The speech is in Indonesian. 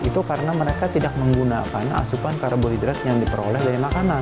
itu karena mereka tidak menggunakan asupan karbohidrat yang diperoleh dari makanan